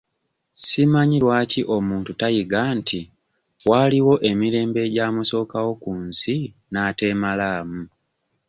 Si manyi lwaki omuntu tayiga nti waaliwo emirembe egyamusookawo ku nsi n'ateemalaamu?